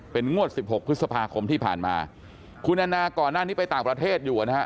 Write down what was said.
เป็นงวด๑๖พฤษภาคมที่ผ่านมาคุณอาณาก่อนนั้นที่ไปต่างประเทศอยู่